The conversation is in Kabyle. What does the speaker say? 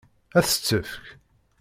Ad s-t-tefk?